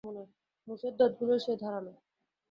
মুসের দাঁতগুলো সেই ধারালো।